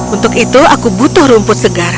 untuk itu aku butuh rumput segar